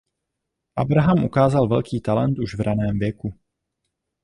Abraham ukázal velký talent už v raném věku.